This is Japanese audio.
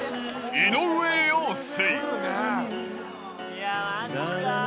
井上陽水。